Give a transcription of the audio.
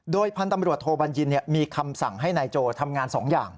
พันธุ์ตำรวจโทบัญญินมีคำสั่งให้นายโจทำงาน๒อย่าง